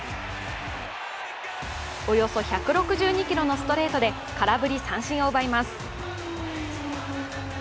およそ１６２キロのストレートで空振り三振を奪います。